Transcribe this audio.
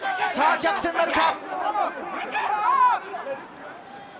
逆転なるか？